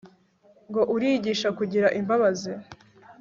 ngo urigisha kugira imbabazi